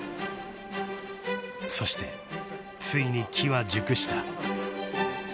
［そしてついに機は熟した］